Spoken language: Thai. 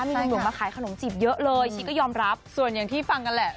มีหนุ่มมาขายขนมจีบเยอะเลยชีก็ยอมรับส่วนอย่างที่ฟังกันแหละ